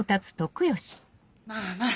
まぁまぁ。